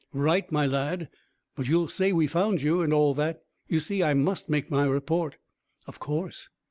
"Right, my lad; but you'll say we found you, and all that. You see, I must make my report." "Of course."